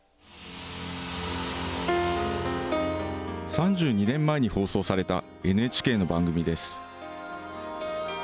３２年前に放送されたＮＨＫの番組です。